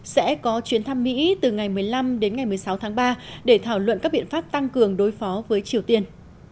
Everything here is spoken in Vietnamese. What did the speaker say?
sẽ có chuyến thăm mỹ từ ngày một mươi năm đến ngày một mươi sáu tháng ba để thảo luận các biện pháp tăng cường đối phó với triều tiên